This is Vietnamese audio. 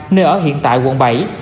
nơi ở hiện tại quận bảy